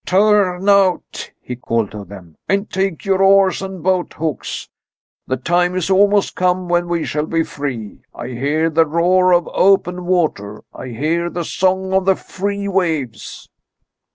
"Turn out," he called to them, "and take your oars and boat hooks! The time is almost come when we shall be free. I hear the roar of open water. I hear the song of the free waves."